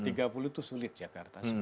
tiga puluh itu sulit jakarta